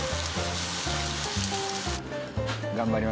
頑張ります。